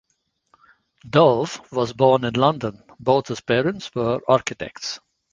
Dove was born in London; both his parents were architects.